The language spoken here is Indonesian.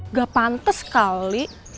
nggak pantas sekali